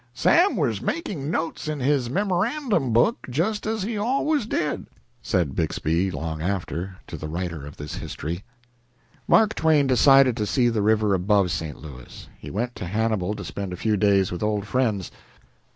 "Sam was making notes in his memorandum book, just as he always did," said Bixby, long after, to the writer of this history. Mark Twain decided to see the river above St. Louis. He went to Hannibal to spend a few days with old friends.